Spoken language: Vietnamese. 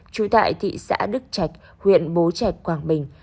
trú tại thị xã đức trạch huyện bố trạch quảng bình